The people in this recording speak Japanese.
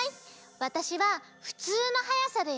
わたしはふつうのはやさでやるよ。